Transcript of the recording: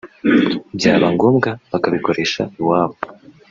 byaba na ngombwa bakabikoresha iwabo